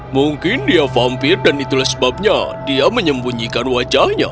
mungkin dia vampir dan itulah sebabnya dia menyembunyikan wajahnya